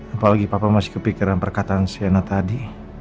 apalagi papa masih kepikiran perkataan siana tadi